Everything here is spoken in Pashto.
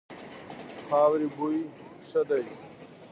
خاورې بوی ښه دی.